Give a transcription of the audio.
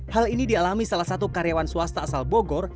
hal ini dialami salah satu karyawan swasta asal bogor